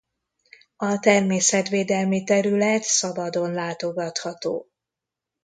A természetvédelmi terület szabadon látogatható.